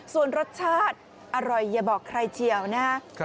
ส่วนรสชาติอร่อยอย่าบอกใครเฉียวนะฮะ